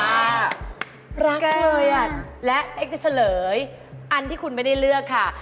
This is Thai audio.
รักเลยอ่ะและเอ็กจะเฉลยอันที่คุณไม่ได้เลือกค่ะ